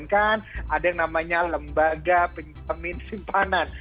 dan kan ada yang namanya lembaga pinjamin simpanan